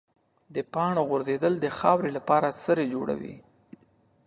د پاڼو غورځېدل د خاورې لپاره سرې جوړوي.